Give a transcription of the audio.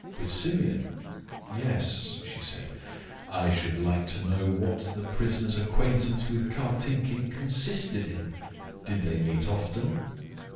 "With Simeon? Yes," she said. "I should like to know what the prisoner's acquaintance with Kartinkin consisted in. Did they meet often?"